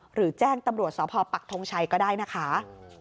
หรือแจ้งตำรวจสพปักทงชัยก็ได้นะคะ